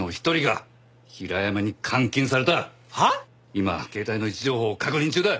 今携帯の位置情報を確認中だ。